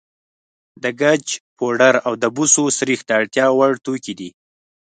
د ګچ پوډر او د بوسو سريښ د اړتیا وړ توکي دي.